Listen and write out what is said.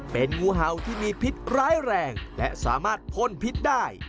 เป็นงูเห่าที่มีพิษร้ายแรงและสามารถพ่นพิษได้